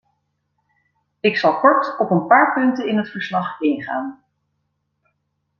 Ik zal kort op een paar punten in het verslag ingaan.